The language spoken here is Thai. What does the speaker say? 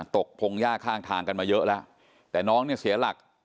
พงหญ้าข้างทางกันมาเยอะแล้วแต่น้องเนี่ยเสียหลัก